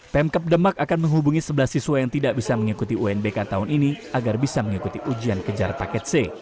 pemkap demak akan menghubungi sebelah siswa yang tidak bisa mengikuti unbk tahun ini agar bisa mengikuti ujian kejar paket c